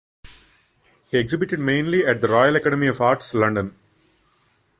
He exhibited mainly at the Royal Academy of Arts, London.